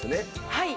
はい。